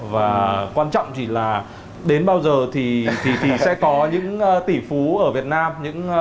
và quan trọng chỉ là đến bao giờ thì sẽ có những tỷ phú ở việt nam